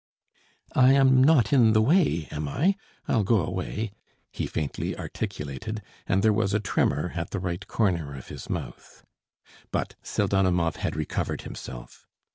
"I am not in the way, am I?... I'll go away," he faintly articulated, and there was a tremor at the right corner of his mouth. But Pseldonimov had recovered himself.